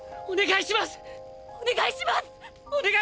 お願いします！！